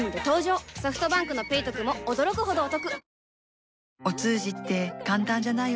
ソフトバンクの「ペイトク」も驚くほどおトク